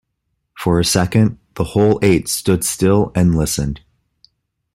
For a second the whole eight stood still and listened.